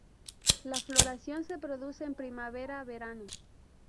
La floración se produce en primavera-verano.